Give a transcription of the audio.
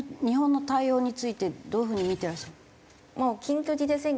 日本の対応についてどういう風に見てらっしゃる？